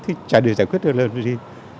thì chả được giải quyết được làm gì